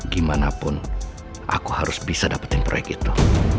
gimanapun aku harus bisa dapetin proyek itu